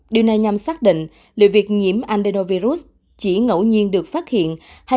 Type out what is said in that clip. điều này nhằm xác định liệu việc nhiễm andenovirus chỉ ngẫu nhiên được phát hiện